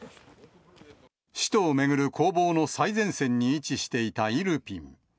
首都を巡る攻防の最前線に位置していたイルピン。